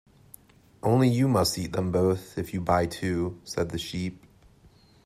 ‘Only you must eat them both, if you buy two,’ said the Sheep.